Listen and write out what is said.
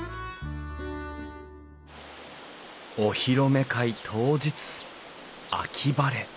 お披露目会当日秋晴れ。